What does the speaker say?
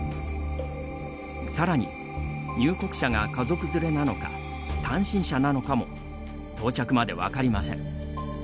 さらに、入国者が家族連れなのか単身者なのかも到着まで分かりません。